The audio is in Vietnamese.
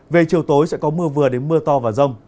về chiều tối sẽ có mưa vừa đến mưa to và rông